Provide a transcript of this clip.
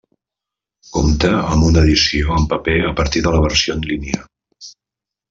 Compta amb una edició en paper a partir de la versió en línia.